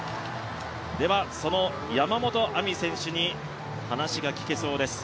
その山本亜美選手に話が聞けそうです。